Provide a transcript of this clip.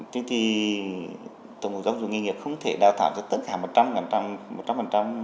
thế thì tổng hợp giáo dục nghiệp không thể đào tạo cho tất cả một trăm linh